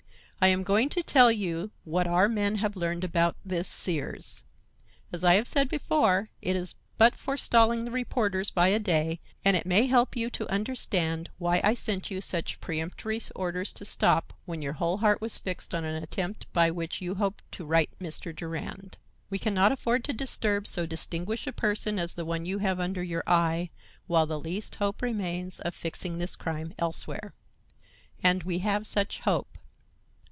I am going to tell you what our men have learned about this Sears. As I have said before, it is but forestalling the reporters by a day, and it may help you to understand why I sent you such peremptory orders to stop, when your whole heart was fixed on an attempt by which you hoped to right Mr. Durand. We can not afford to disturb so distinguished a person as the one you have under your eye, while the least hope remains of fixing this crime elsewhere. And we have such hope.